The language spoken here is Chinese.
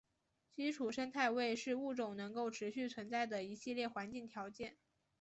基础生态位是物种能够持续存在的一系列环境条件。